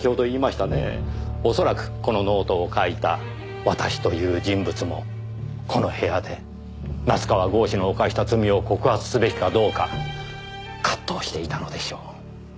おそらくこのノートを書いた「私」という人物もこの部屋で夏河郷士の犯した罪を告発すべきかどうか葛藤していたのでしょう。